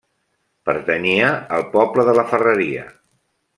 Pertanyia al poble de la Ferreria.